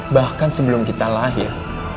bahkan sebelum kita lahir